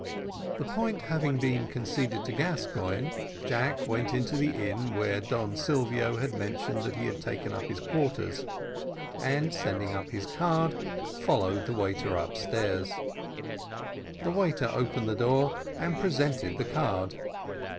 The point having been conceded to Gascoigne, Jack went to the inn where Don Silvio had mentioned that he had taken up his quarters, and sending up his card, followed the waiter upstairs. The waiter opened the door, and presented the card.